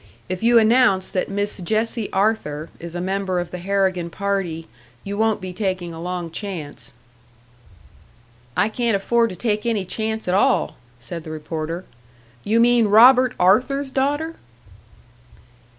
If you announce that Miss Jessie Arthur is a member of the Harrigan party, you won't be taking a long chance." "I can't afford to take any chance at all," said the reporter. "You mean Robert Arthur's daughter?"